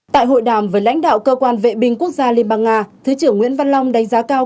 tại hội đàm với lãnh đạo cơ quan vệ binh quốc gia liên bang nga thứ trưởng nguyễn văn long đánh giá cao